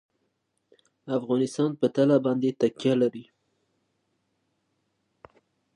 افغانستان په طلا باندې تکیه لري.